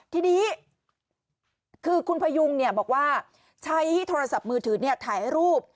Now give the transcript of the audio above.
ทีนี้คือคุณพยุงบอกว่าใช้โทรศัพท์มือถือถ่ายรูป